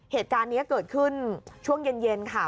เหตุการณ์นี้เกิดขึ้นช่วงเย็นค่ะ